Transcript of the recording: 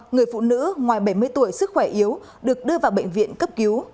người phụ nữ ngoài bảy mươi tuổi sức khỏe yếu được đưa vào bệnh viện cấp cứu